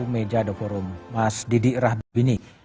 meja the forum mas didi rahmini